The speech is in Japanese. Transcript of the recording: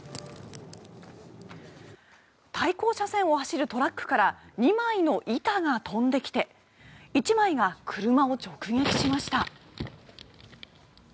対向車線を走るトラックから２枚の板が飛んできて１枚が車を直撃しました。